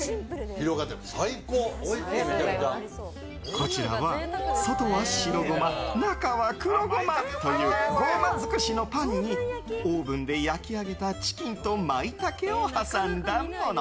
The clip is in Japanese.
こちらは外は白ゴマ中は黒ゴマというゴマ尽くしのパンにオーブンで焼き上げたチキンとマイタケを挟んだもの。